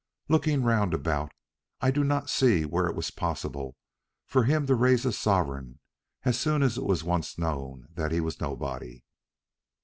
Looking round about, I do not see where it was possible for him to raise a sovereign as soon as it was once known that he was nobody."